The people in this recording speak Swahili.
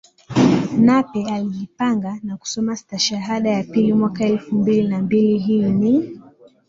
Nape alijipanga na kusoma stashahada ya pili mwaka elfu mbili na mbili hii ni